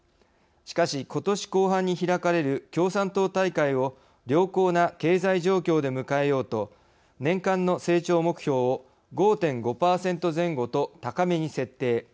しかし、ことし後半に開かれる共産党大会を良好な経済状況で迎えようと年間の成長目標を５．５％前後と高めに設定。